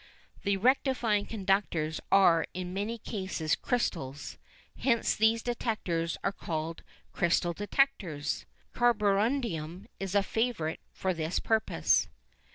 The rectifying conductors are in many cases crystals, hence these detectors are called "Crystal Detectors." Carborundum is a favourite for this purpose.